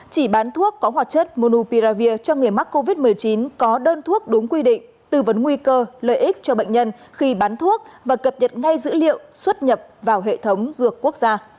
chỉ bán thuốc có hoạt chất monupiravir cho người mắc covid một mươi chín có đơn thuốc đúng quy định tư vấn nguy cơ lợi ích cho bệnh nhân khi bán thuốc và cập nhật ngay dữ liệu xuất nhập vào hệ thống dược quốc gia